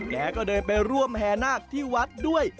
แกก็เดินไปร่วมแห่นาคที่วัดด้วย